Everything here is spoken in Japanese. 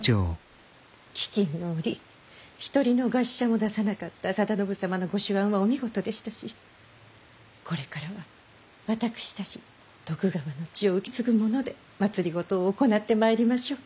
飢きんの折一人の餓死者も出さなかった定信様のご手腕はお見事でしたしこれからは私たち徳川の血を受け継ぐ者で政を行ってまいりましょう。